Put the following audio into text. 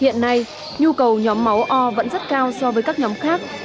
hiện nay nhu cầu nhóm máu o vẫn rất cao so với các nhóm khác